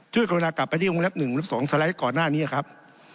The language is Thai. กรุณากลับไปที่วงเล็บ๑เล็บ๒สไลด์ก่อนหน้านี้ครับ